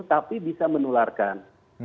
tapi bisa menularkan